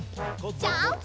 ジャンプ！